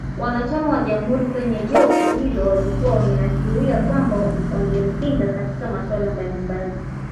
Wanachama wa Jamuhuri kwenye jopo hilo walikuwa wameashiria kwamba wangempinga katika masuala mbalimbali